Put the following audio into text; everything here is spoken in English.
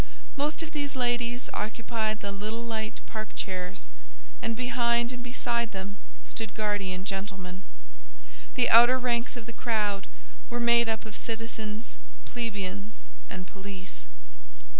Most of these ladies occupied the little light park chairs, and behind and beside them stood guardian gentlemen. The outer ranks of the crowd were made up of citizens, plebeians and police.